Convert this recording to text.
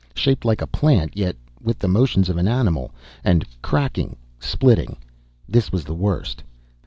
Shaped like a plant, yet with the motions of an animal. And cracking, splitting. This was the worst.